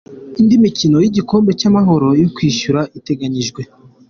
Indi mikino y’igikombe cy’amahoro yo kwishyura iteganyijwe:.